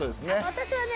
私はね